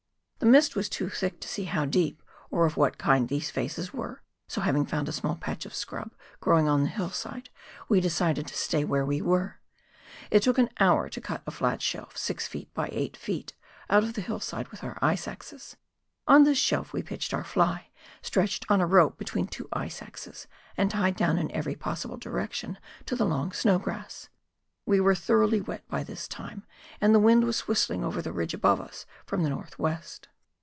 The mist was too thick to see how deep, or of what kind these faces were, so having found a small patch of scrub growing on the hillside, we de cided to stay where we were. It took an hour to cut a flat shelf 6 ft. by 8 ft., out of the hillside with our ice axes. On this shelf we pitched our fly, stretched on a rope between two ice axes, and tied down in every possible direction to the long snow grass. We were thoroughly wet by this time, and the wind was whistling over the ridge above us from the north west.